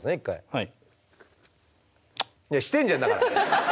はい。